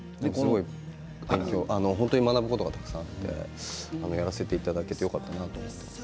本当に学ぶことがたくさんあってやらせていただけてよかったです。